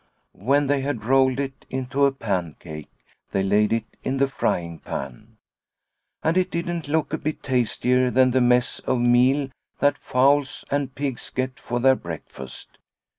When they had rolled it into a pancake they laid it in the frying pan. And it didn't look a bit tastier than the mess of meal that fowls and pigs get for their breakfast.